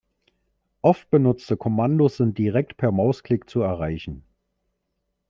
Oft benutzte Kommandos sind direkt per Mausklick zu erreichen.